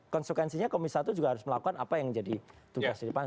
konsekuensinya komisi satu juga harus melakukan apa yang jadi tugas di depan